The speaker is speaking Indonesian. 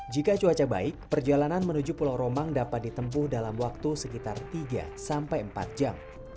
jika cuaca baik perjalanan menuju pulau romang dapat ditempuh dalam waktu sekitar tiga sampai empat jam